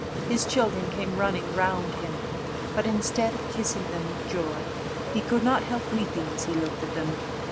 His children came running round him, but, instead of kissing them with joy, he could not help weeping as he looked at them.